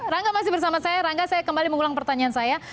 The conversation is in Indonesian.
rangga masih bersama saya rangga saya kembali mengulang pertanyaan saya